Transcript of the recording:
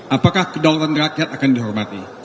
apakah kedaulatan rakyat akan dihormati